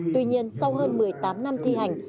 tuy nhiên sau hơn một mươi tám năm thi hành